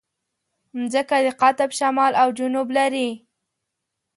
مځکه د قطب شمال او جنوب لري.